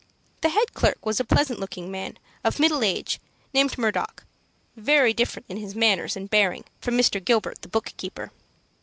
The head clerk was a pleasant looking man, of middle age, named Murdock; very different in his manners and bearing from Mr. Gilbert, the book keeper.